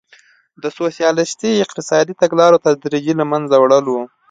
د سوسیالیستي اقتصادي تګلارو تدریجي له منځه وړل وو.